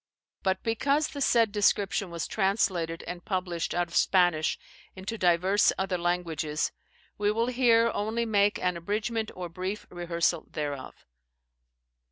But because the said description was translated and published out of Spanish into divers other languages, we will here only make an abridgement or brief rehearsal thereof.